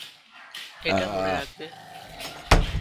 এটা মনে রাখবে।